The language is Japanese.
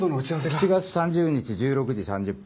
７月３０日１６時３０分